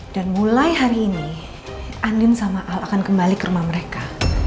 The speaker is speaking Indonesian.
dan mulai hari ini andin sama al akan kembali ke rumah mereka